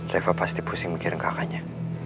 reva pasti pusing mikir kakaknya